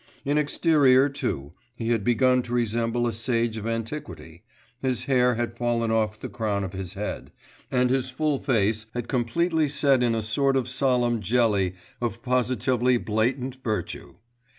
In exterior, too, he had begun to resemble a sage of antiquity; his hair had fallen off the crown of his head, and his full face had completely set in a sort of solemn jelly of positively blatant virtue.